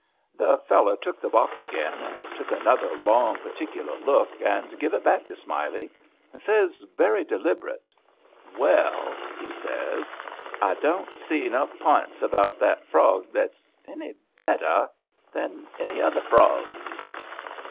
The feller took the box again, and took another long, particular look, and give it back to Smiley, and says, very deliberate, "Well," he says, "I don't see no p'ints about that frog that's any better'n any other frog."